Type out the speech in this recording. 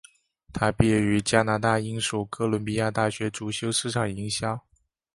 她毕业于加拿大英属哥伦比亚大学主修市场营销。